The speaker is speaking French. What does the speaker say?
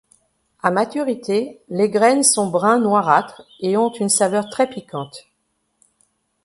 À maturité, les graines sont brun-noirâtre et ont une saveur très piquante.